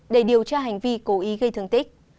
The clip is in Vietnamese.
để điều tra hành vi cố ý gây thương tích